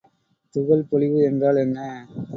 துகள் பொழிவு என்றால் என்ன?